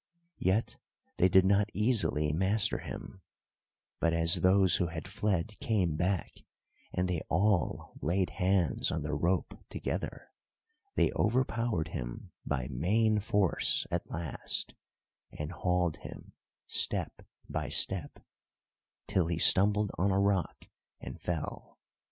Yet they did not easily master him; but, as those who had fled came back, and they all laid hands on the rope together, they overpowered him by main force at last, and hauled him, step by step, till he stumbled on a rock and fell.